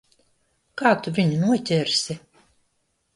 Kā tu viņu noķersi?